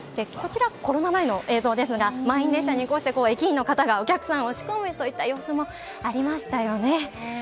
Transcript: コロナ前の映像ですが満員電車に駅員の方がお客さんを押し込むといった様子も見られましたよね。